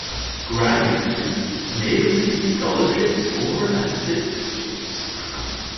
Graduate students may receive scholarships or assistantships.